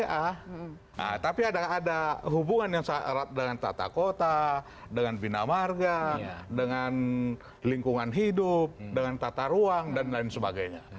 nah tapi ada hubungan yang dengan tata kota dengan bina marga dengan lingkungan hidup dengan tata ruang dan lain sebagainya